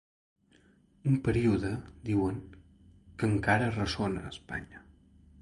Un període, diuen, “que encara ressona a Espanya”.